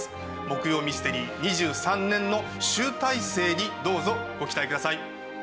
木曜ミステリー２３年の集大成にどうぞご期待ください。